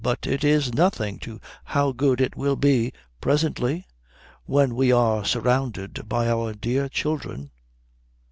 "But it is nothing to how good it will be presently, when we are surrounded by our dear children."